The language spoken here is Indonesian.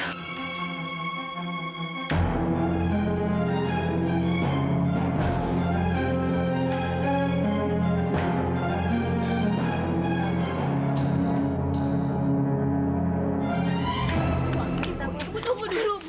tunggu tunggu tunggu